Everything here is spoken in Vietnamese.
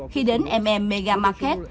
khi đến mm mega market